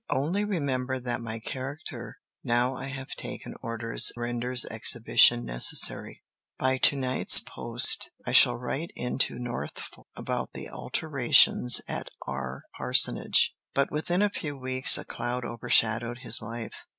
Only remember that my character now I have taken orders renders exhibition necessary. By to night's post I shall write into Norfolk about the alterations at our parsonage." But within a few weeks a cloud overshadowed his life.